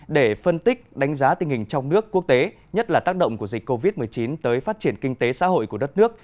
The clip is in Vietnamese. để phân tích đánh giá tình hình trong nước quốc tế nhất là tác động của dịch covid một mươi chín tới phát triển kinh tế xã hội của đất nước